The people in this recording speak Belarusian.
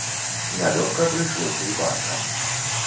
Нялёгка прыйшлося і банкам.